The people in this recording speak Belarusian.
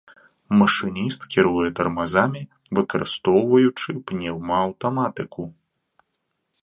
Машыніст кіруе тармазамі, выкарыстоўваючы пнеўмааўтаматыку.